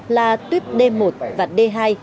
là tuyếp d một và d hai